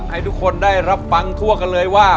ให้ทุกคนได้รับฟังทั่วกันเลยว่า